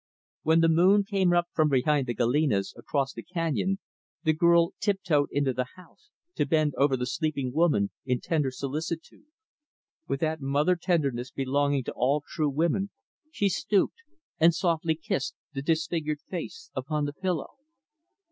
When the moon came up from behind the Galenas, across the canyon, the girl tiptoed into the house, to bend over the sleeping woman, in tender solicitude. With that mother tenderness belonging to all true women, she stooped and softly kissed the disfigured face upon the pillow.